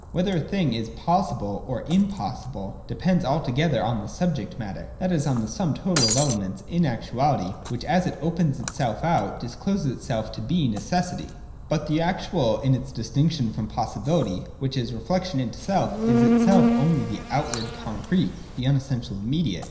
Whether a thing is possible or impossible, de pends altogether on the subject matter : that is, on the sum total of the elements in actuality, which, as it opens itself out, discloses itself to be necessity. 144.] (/3) But the Actual in its distinction from possi bility (which is reflection into self) is itself only the out ward concrete, the unessential immediate.